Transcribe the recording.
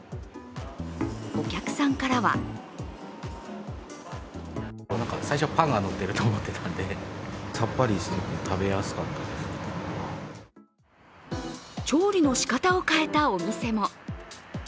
お客さんからは調理の仕方を変えたお店も。